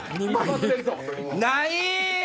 ない！